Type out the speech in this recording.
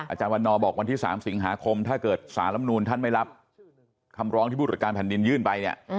อาจารย์วันนอบอกวันที่๓สิงหาคมถ้าเกิดสารลำนูนท่านไม่รับคำร้องที่ผู้ตรวจการแผ่นดินยื่นไปเนี่ย